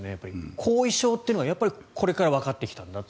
後遺症というのがこれからわかってきたんだと。